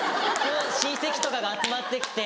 親戚とかが集まって来て。